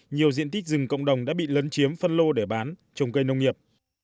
nhiều diện tích rừng cộng đồng đã bị lấn chiếm phân lô để bán trồng cây nông nghiệp